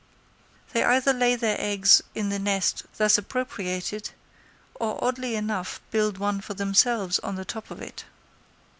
They either lay their eggs in the nest thus appropriated, or oddly enough build one for themselves on the top of it.